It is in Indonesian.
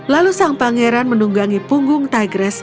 lalu sang pangeran menunggangi punggung tigress